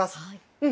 うん！